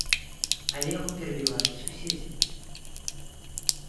Але яго перабіваюць суседзі.